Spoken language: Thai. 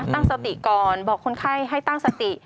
ตั้งสติก่อนบอกคนไข้ให้ตั้งสติ